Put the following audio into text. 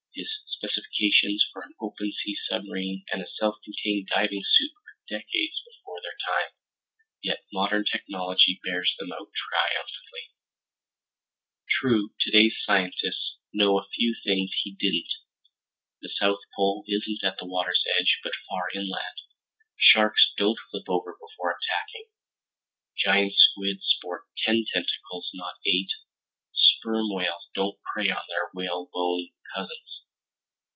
His specifications for an open sea submarine and a self contained diving suit were decades before their time, yet modern technology bears them out triumphantly. True, today's scientists know a few things he didn't: the South Pole isn't at the water's edge but far inland; sharks don't flip over before attacking; giant squid sport ten tentacles not eight; sperm whales don't prey on their whalebone cousins.